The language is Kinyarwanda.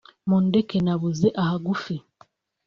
”mundeke nabuze ahagufi